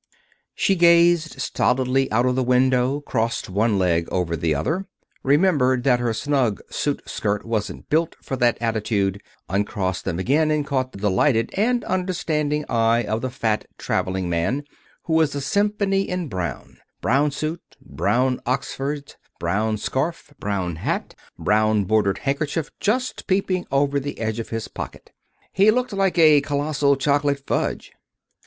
She gazed stolidly out of the window, crossed one leg over the other, remembered that her snug suit skirt wasn't built for that attitude, uncrossed them again, and caught the delighted and understanding eye of the fat traveling man, who was a symphony in brown brown suit, brown oxfords, brown scarf, brown bat, brown bordered handkerchief just peeping over the edge of his pocket. He looked like a colossal chocolate fudge.